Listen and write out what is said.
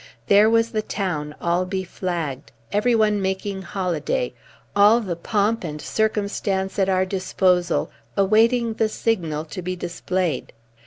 There was the town all beflagged, everyone making holiday, all the pomp and circumstance at our disposal awaiting the signal to be displayed.